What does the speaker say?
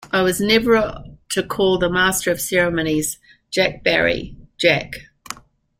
I was never to call the Master of Ceremonies, Jack Barry, Jack.